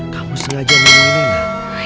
kamu sengaja melindungi dia gak